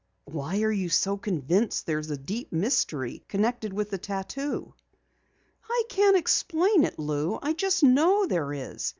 "Why are you so convinced there's a deep mystery connected with the tattoo?" "I can't explain it, Lou. I just know there is.